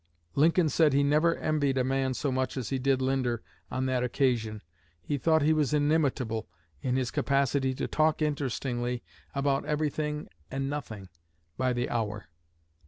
Lincoln said he never envied a man so much as he did Linder on that occasion. He thought he was inimitable in his capacity to talk interestingly about everything and nothing, by the hour.